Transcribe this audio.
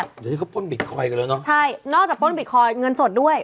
เดี๋ยวนี้เขาป้นบิตคอยนกันแล้วเนอะใช่นอกจากป้นบิตคอยนเงินสดด้วย